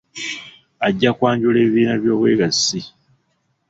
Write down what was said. Ajja kwanjula ebibiina by'obwegassi.